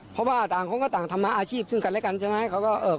เพราะว่าต่างคนก็ต่างธรรมะอาชีพซึ่งกันและกันใช่ไหม